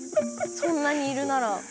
そんなにいるなら。